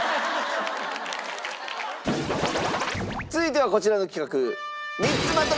続いてはこちらの企画。